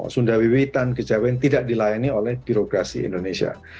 sundawiwitan kejawen tidak dilayani oleh birokrasi indonesia